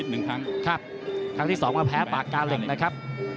ครั้งแรกครั้งที่๒มาแพ้ปากกาเหล็กนะครับ